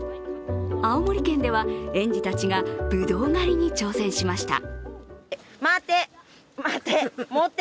青森県では、園児たちがぶどう狩りに挑戦しました。